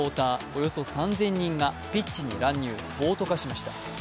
およそ３０００人がピッチに乱入、暴徒化しました。